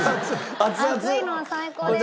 熱いのは最高です。